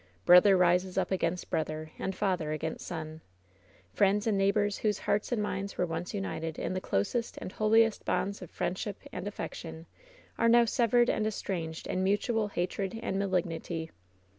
Brother rises up against brother, and father against son. Friends and neighbors whose hearts and minds were once united in the closest and holiest bonds of friendship and affection, are now severed and estranged in mutual hatred and malignity.